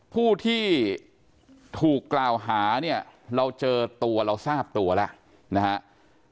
ผู้ที่ถูกกล่าวหาเนี่ยเราเจอตัวเราทราบตัวแล้วนะครับ